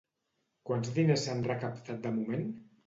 Quants diners s'han recaptat de moment?